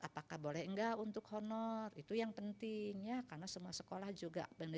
apakah boleh enggak untuk honor itu yang pentingnya karena semua sekolah juga band